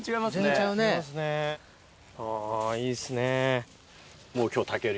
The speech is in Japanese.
あぁいいですね。